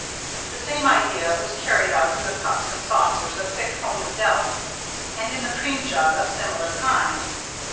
The same idea was carried out in the cups and saucers of thick homely delft, and in the cream jug of similar kind.